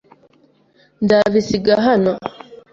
Nzabisiga hano.